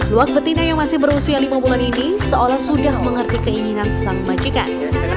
luwak betina yang masih berusia lima bulan ini seolah sudah mengerti keinginan sang majikan